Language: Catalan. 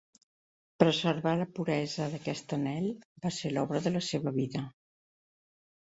Preservar la puresa d'aquest anhel va ser l'obra de la seva vida.